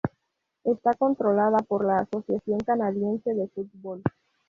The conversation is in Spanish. Está controlada por la Asociación Canadiense de Fútbol.